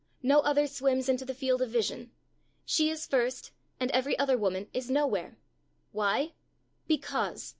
No other swims into the field of vision. She is first, and every other woman is nowhere. Why? '_Because!